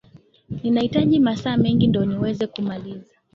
Ninahitaji masaa mengi ndo niweze kumaliza